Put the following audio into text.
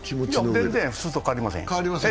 全然、普通と変わりません。